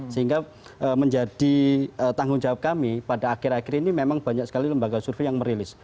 sehingga menjadi tanggung jawab kami pada akhir akhir ini memang banyak sekali lembaga survei yang merilis